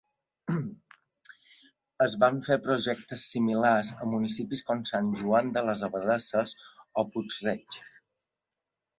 Es van fer projectes similars a municipis com Sant Joan de les Abadesses o Puig-Reig.